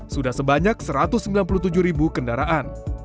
sudah sebanyak satu ratus sembilan puluh tujuh ribu kendaraan